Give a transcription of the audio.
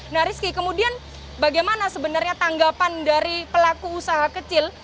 nah rizky kemudian bagaimana sebenarnya tanggapan dari pelaku usaha kecil